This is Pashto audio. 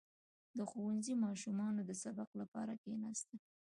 • د ښوونځي ماشومانو د سبق لپاره کښېناستل.